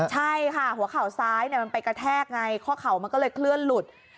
ใช่ค่ะหัวเข่าซ้ายมันไปกระแทกไงข้อเข่ามันก็เลยเคลื่อนหลุด